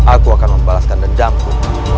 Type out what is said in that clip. aku akan membalaskan denjangku